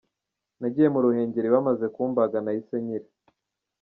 Nagiye mu Ruhengeri bamaze kumbaga nahise nkira.